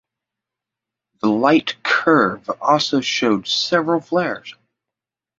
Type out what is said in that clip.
The light curve also showed several flares.